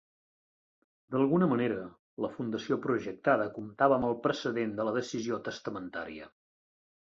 D'alguna manera, la fundació projectada comptava amb el precedent de la decisió testamentària.